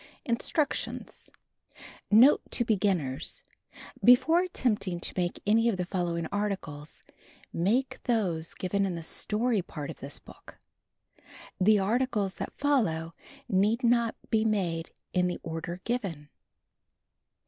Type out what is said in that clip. INSTRUCTIONS Note to Beginners: Before attempting to make any of the following articles, make those given in the story part of this book. The articles that follow need not be made in the order given.